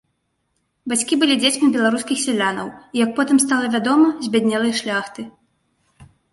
Бацькі былі дзецьмі беларускіх сялянаў і, як потым стала вядома, збяднелай шляхты.